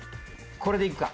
これでいくか。